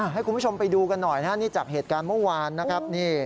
ให้คุณผู้ชมไปดูกันหน่อยนะฮะนี่จากเหตุการณ์เมื่อวานนะครับ